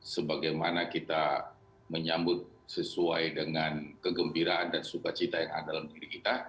sebagaimana kita menyambut sesuai dengan kegembiraan dan sukacita yang ada dalam diri kita